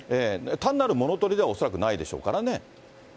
単なる物取りでは恐らくないでしょうからね。